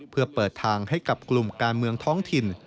เพื่อเปิดทางให้กับกลุ่มการเมืองท้องถิ่น